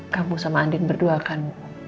kamu sama andi berdua akan